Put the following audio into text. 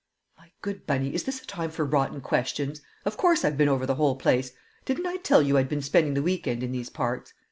"My good Bunny, is this a time for rotten questions? Of course I've been over the whole place; didn't I tell you I'd been spending the week end in these parts?